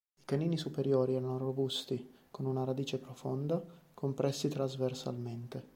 I canini superiori erano robusti, con una radice profonda, compressi trasversalmente.